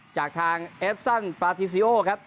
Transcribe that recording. จากทางเอฟซันปลาทีซิโอครับ